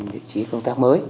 địa chỉ công tác mới